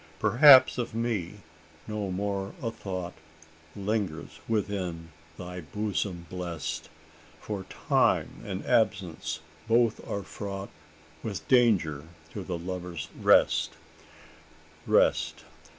"Perhaps, of me no more a thought Lingers within thy bosom blest: For time and absence both are fraught With danger to the lover's rest?